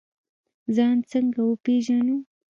ځان څنګه وپیژنو؟